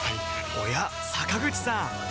おや坂口さん